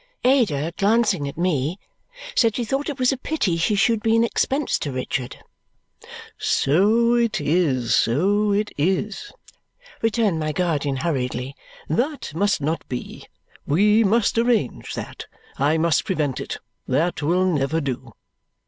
Ada, glancing at me, said she thought it was a pity he should be an expense to Richard. "So it is, so it is," returned my guardian hurriedly. "That must not be. We must arrange that. I must prevent it. That will never do."